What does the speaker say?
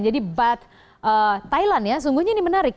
jadi baht thailand ya sungguhnya ini menarik